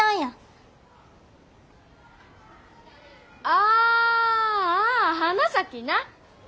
あああ花咲な。